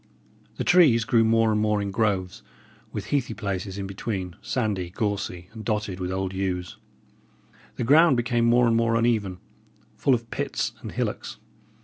The trees grew more and more in groves, with heathy places in between, sandy, gorsy, and dotted with old yews. The ground became more and more uneven, full of pits and hillocks.